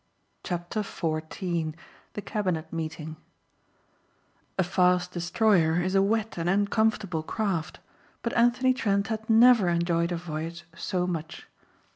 CHAPTER FOURTEEN THE CABINET MEETING A fast destroyer is a wet and uncomfortable craft but Anthony Trent had never enjoyed a voyage so much.